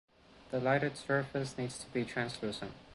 The lighted surface needs to be translucent.